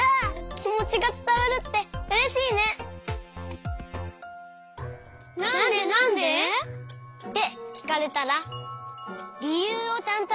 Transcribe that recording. きもちがつたわるってうれしいね！ってきかれたらりゆうをちゃんとはなそう。